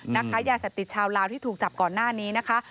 ค้ายาเสพติดชาวลาวที่ถูกจับก่อนหน้านี้นะคะ